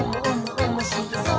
おもしろそう！」